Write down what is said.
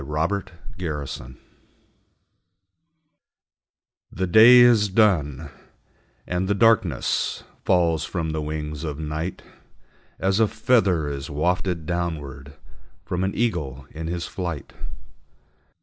SONGS THE DAY IS DONE The day is done, and the darkness Falls from the wings of Night, As a feather is wafted downward From an eagle in his flight.